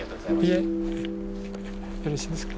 いえよろしいですか。